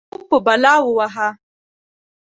خوب په بلا ووهه.